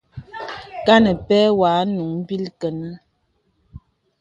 Kàn pɛ̂ wɔ̄ ànùŋ mbìl kənə.